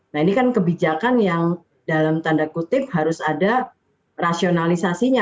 nah ini kan kebijakan yang dalam tanda kutip harus ada rasionalisasinya